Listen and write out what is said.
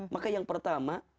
maka yang pertama